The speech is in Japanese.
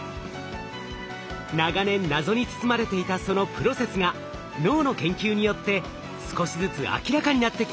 長年謎に包まれていたそのプロセスが脳の研究によって少しずつ明らかになってきました。